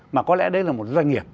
mà có lẽ đấy là một doanh nghiệp